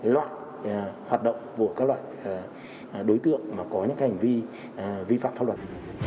loại hoạt động của các loại đối tượng mà có những hành vi vi phạm pháp luật